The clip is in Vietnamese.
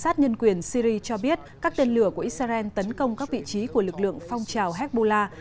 sát nhân quyền syri cho biết các tên lửa của israel tấn công các vị trí của lực lượng phong trào hezbollah